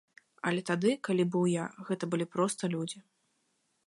Але тады, калі быў я, гэта былі проста людзі.